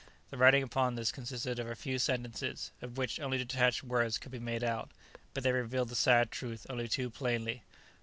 The writing upon this consisted of a few sentences, of which only detached words could be made out, but they revealed the sad truth only too plainly.